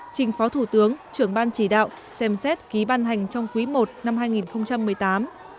trình phó thủ tướng trưởng ban chỉ đạo xem xét ký ban hành trong quý i năm hai nghìn một mươi tám